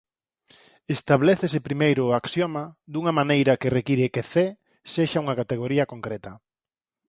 Establécese primeiro o axioma dunha maneira que require que C sexa unha categoría concreta.